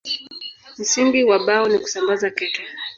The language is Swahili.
Msingi wa Bao ni kusambaza kete.